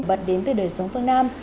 bật đến từ đời sống phương nam